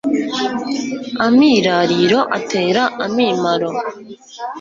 amirariro atera amimaro